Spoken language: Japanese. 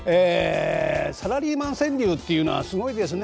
サラリーマン川柳っていうのはすごいですね。